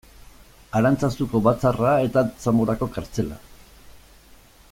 Arantzazuko batzarra eta Zamorako kartzela.